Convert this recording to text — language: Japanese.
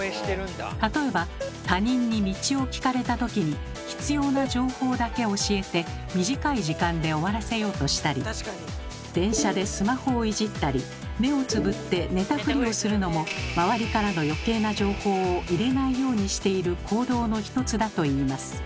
例えば他人に道を聞かれたときに必要な情報だけ教えて短い時間で終わらせようとしたり電車でスマホをいじったり目をつぶって寝たフリをするのも周りからのよけいな情報を入れないようにしている行動の一つだといいます。